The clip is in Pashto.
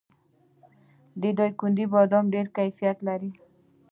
د دایکنډي بادام ډیر کیفیت لري.